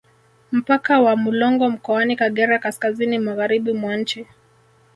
Mpaka wa Mulongo mkoani Kagera kaskazini magharibi mwa nchi